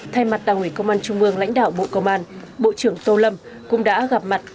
thay mặt đảng ủy công an trung mương lãnh đạo bộ công an bộ trưởng tô lâm cũng đã gặp mặt